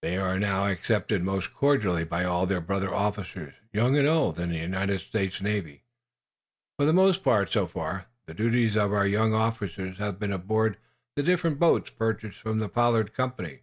They are now accepted most cordially by all their brother officers, young and old, in the United States Navy. For the most part, so far, the duties of our young officers have been aboard the different boats purchased from the Pollard Company.